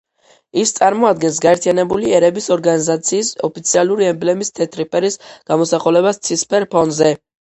ის წარმოადგენს გაერთიანებული ერების ორგანიზაციის ოფიციალური ემბლემის თეთრი ფერის გამოსახულებას ცისფერ ფონზე.